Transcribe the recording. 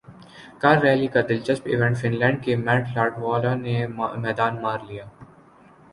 کارریلی کا دلچسپ event fun land کے میٹ لاٹوالہ نے میدان مار لیا